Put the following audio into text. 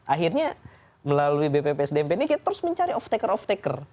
akhirnya melalui bppsdmp ini kita terus mencari off taker of taker